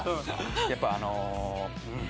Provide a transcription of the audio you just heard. やっぱあのうん。